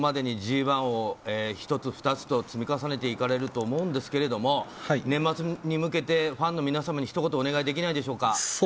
そこまでにＧ１を１つ、２つと積み重ねていかれると思うんですけど、年末に向けて、ファンの皆さんにひと言、お願いできないでしょうか。